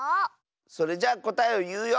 それじゃこたえをいうよ！